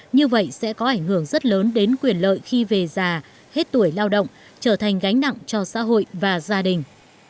như vậy sẽ có ảnh hưởng rất lớn đến quyền lợi khi về già hết tuổi lao động trở thành gánh nặng cho xã hội và gia đình